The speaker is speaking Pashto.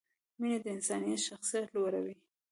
مینه د انسان شخصیت لوړوي.